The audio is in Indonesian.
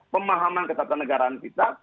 pemahaman ketatanegaraan kita